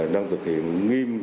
đang thực hiện nghiêm